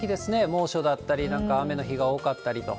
猛暑だったり、なんか、雨の日が多かったりと。